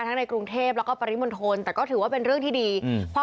ในกรุงเทพแล้วก็ปริมณฑลแต่ก็ถือว่าเป็นเรื่องที่ดีอืม